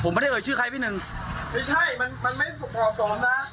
ผมไม่ได้เอ่ยชื่อใครพี่หนึ่งไม่ใช่มันมันไม่เหมาะสมซะ